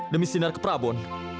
demi sinar ke prabon